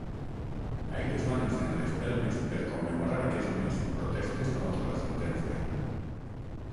Ahir es van encendre espelmes per commemorar aquest mes protestes contra la sentència.